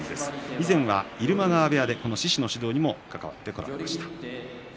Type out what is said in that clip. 以前は入間川部屋で獅司の指導にあたってきました。